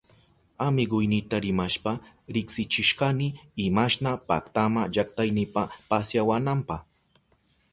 Amiguynita rimashpa riksichishkani imashna paktama llaktaynipa pasyawananpa.